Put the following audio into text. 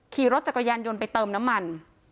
ขี่รถจักรยานยนต์ไปเติมน้ำมัน